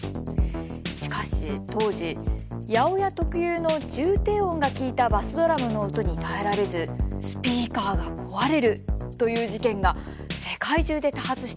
しかし当時８０８特有の重低音が効いたバスドラムの音に耐えられずスピーカーが壊れるという事件が世界中で多発していました。